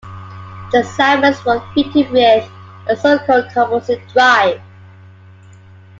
The "Salmon"s were fitted with a so-called "composite drive".